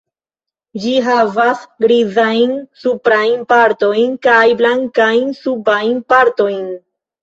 Ĝi havas grizajn suprajn partojn kaj blankajn subajn partojn.